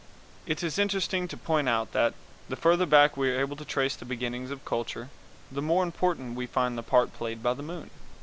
It is interesting to point out that, the farther back we are able to trace the beginnings of culture, the more important we find the part played by the moon.